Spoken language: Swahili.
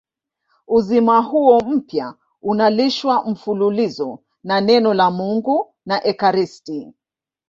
Uzima huo mpya unalishwa mfululizo na Neno la Mungu na ekaristi.